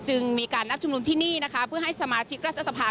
มีการนัดชุมนุมที่นี่นะคะเพื่อให้สมาชิกรัฐสภา